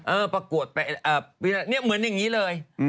ประกวดไปเนี่ยเหมือนอย่างนี้เลย